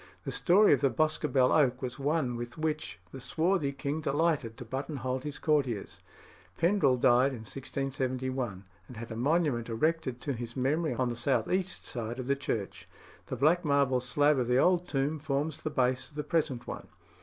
The story of the Boscobel oak was one with which the swarthy king delighted to buttonhole his courtiers. Pendrell died in 1671, and had a monument erected to his memory on the south east side of the church. The black marble slab of the old tomb forms the base of the present one.